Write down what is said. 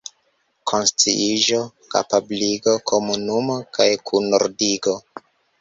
Konsciiĝo, kapabligo, komunumo kaj kunordigo.